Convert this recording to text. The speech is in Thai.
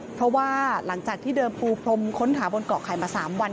เพราะว่าหลังจากที่เดิมปูพรมค้นหาบนเกาะไข่มา๓วัน